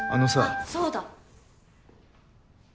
あっそうだ。